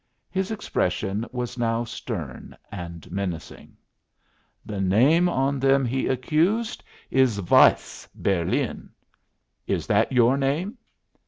His expression was now stern and menacing. "The name on them," he accused, "is 'Weiss, Berlin.' Is that your name?"